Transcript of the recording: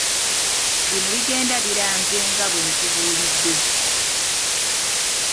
Bino bigenda biranze nga bwe nkubuulidde.